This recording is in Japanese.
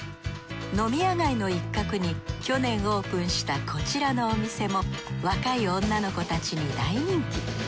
飲み屋街の一角に去年オープンしたこちらのお店も若い女の子たちに大人気。